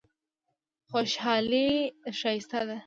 خوشحالي ښایسته دی.